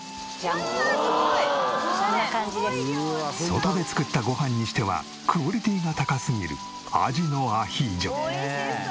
外で作ったご飯にしてはクオリティーが高すぎるアジのアヒージョ。